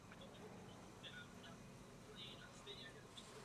Publikuje ve španělštině a francouzštině.